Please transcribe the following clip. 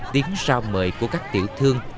tiếng rao mời của các tiểu thương